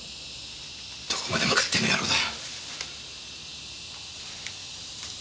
どこまでも勝手な野郎だ。